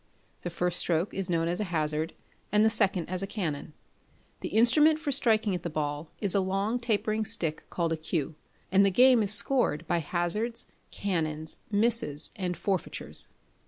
The first stroke is known as a hazard, and the second as a canon. The instrument for striking at the ball, is a long tapering stick called a cue; and the game is scored by hazards, canons, misses, and forfeitures.